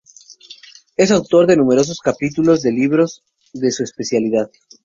Es autor de numerosos capítulos de libros de su especialidad.